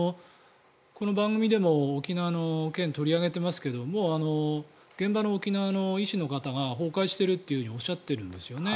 この番組でも沖縄の件を取り上げていますけど現場の沖縄の医師の方が崩壊しているとおっしゃっているんですよね。